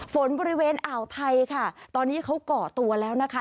ฝนบริเวณอ่าวไทยค่ะตอนนี้เขาก่อตัวแล้วนะคะ